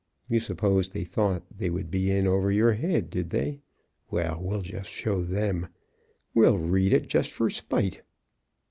You suppose they thought that would be over your head, did they? Well, we'll just show them! We'll read it just for spite.